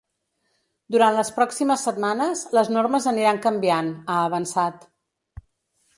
Durant les pròximes setmanes, les normes aniran canviant, ha avançat.